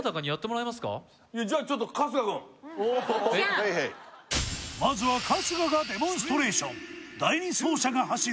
はいはいまずは春日がデモンストレーション第２走者が走る